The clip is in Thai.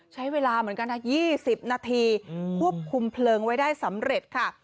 ใช้เวลาเหมือนกันนะ๒๐นาทีควบคุมเพลิงไว้ได้สำเร็จค่ะ